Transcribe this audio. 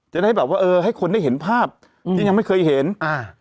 จะได้แบบว่าเออให้คนได้เห็นภาพอืมที่ยังไม่เคยเห็นอ่า